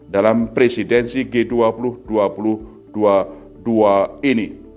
dalam presidensi g dua ribu dua puluh dua ribu dua puluh dua ini